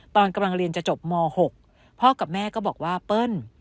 ตอนกำลังเรียนจะจบม๖พ่อกับแม่ก็บอกว่าเปิ้ล